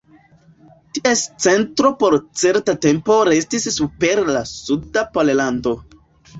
Ties centro por certa tempo restis super la suda Pollando.